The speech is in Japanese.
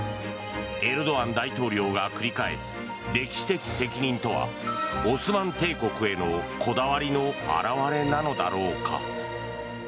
エルドアン大統領が繰り返す歴史的責任とはオスマン帝国へのこだわりの表れなのだろうか。